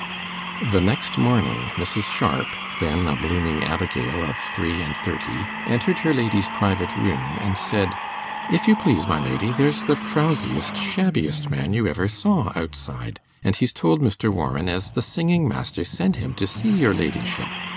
The next morning, Mrs. Sharp, then a blooming abigail of three and thirty, entered her lady's private room and said, 'If you please, my lady, there's the frowsiest, shabbiest man you ever saw, outside, and he's told Mr. Warren as the singing master sent him to see your ladyship.